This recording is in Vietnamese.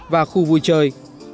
và khu vui chơi